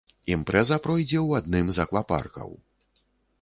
Імпрэза пройдзе ў адным з аквапаркаў.